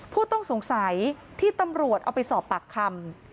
ผู้ต้องสงสัยที่ตำรวจเอาไปสอบปากคำ